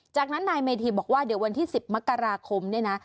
จากนั้นนายเมธีบอกว่าเดี๋ยววันที่๑๐มกราคมเนี่ยนะ